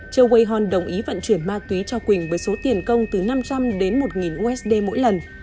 châu way hon đồng ý vận chuyển ma túy cho quỳnh với số tiền công từ năm trăm linh đến một usd mỗi lần